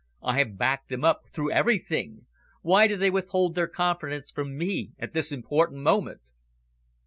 I have backed them up through everything. Why do they withhold their confidence from me, at this important moment?"